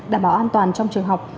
đảm bảo an toàn trong trường học